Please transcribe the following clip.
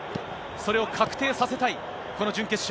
それを確定させたい、この準決勝。